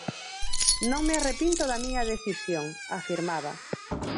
"Non me arrepinto da miña decisión", afirmaba.